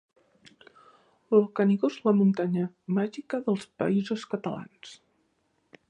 El Canigó és la muntanya màgica dels Països Catalans